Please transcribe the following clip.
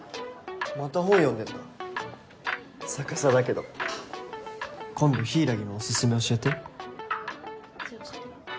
また本読んでんだ逆さだけど。今度柊のオススメ教えて。